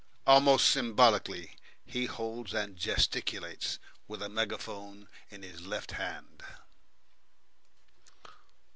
Almost symbolically he holds and gesticulates with a megaphone in his left hand.